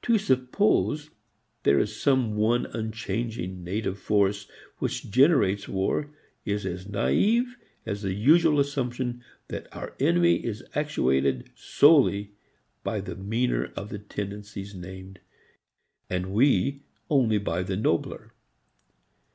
To suppose there is some one unchanging native force which generates war is as naive as the usual assumption that our enemy is actuated solely by the meaner of the tendencies named and we only by the nobler.